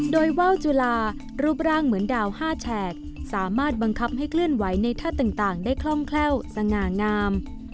โดยว่าวจุลารูปร่างเหมือนดาว๕แฉกสามารถบังคับให้เคลื่อนไหวในท่าต่างได้คล่องแคล่วสง่างาม